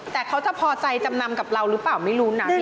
แต่เขาจะพอใจจำนำกับเราหรือเปล่าไม่รู้นะ